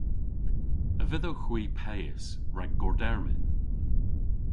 A vedhowgh hwi peys rag gordermyn?